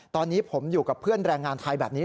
ตอนนี้ผมอยู่กับเพื่อนแรงงานไทยแบบนี้